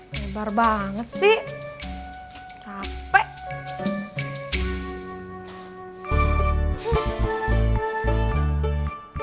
dia valores banget rekit rasanya synthesistik